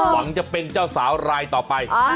หวังจะเป็นเจ้าสาวรายต่อไป